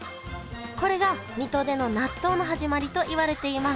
これが水戸での納豆の始まりといわれています